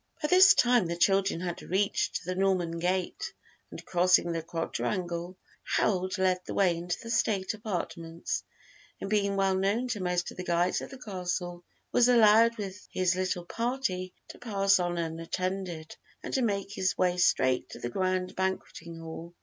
By this time the children had reached the Norman Gate, and crossing the quadrangle, Harold led the way into the State apartments, and being well known to most of the guides of the castle, was allowed, with his little party, to pass on unattended, and to make his way straight to the Grand Banqueting Hall.